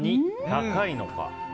高いのか。